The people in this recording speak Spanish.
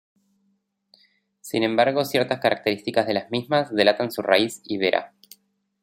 Sin embargo ciertas características de las mismas delatan su raíz ibera.